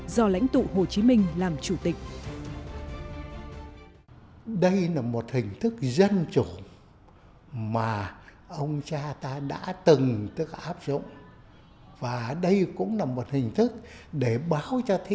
do lãnh tụ hồ chí minh làm chủ tịch